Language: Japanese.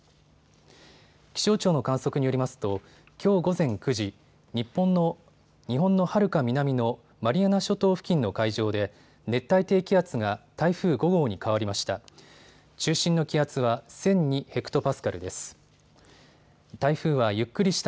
気象庁の観測によりますときょう午前９時、日本のはるか南のマリアナ諸島付近の海上で熱帯低気圧が台風５号に変わりました。